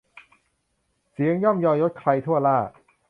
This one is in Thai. เสียงย่อมยอยศใคร ทั่วหล้า